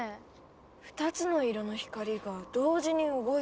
２つの色の光が同時に動いてる。